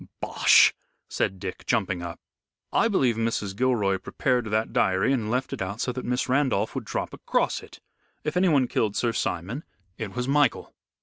"Bosh!" said Dick, jumping up. "I believe Mrs. Gilroy prepared that diary and left it out so that Miss Randolph would drop across it. If anyone killed Sir Simon it was Michael."